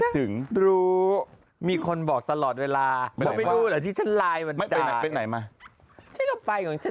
หรอกหละมายฉันเป็นเพื่อนเธอ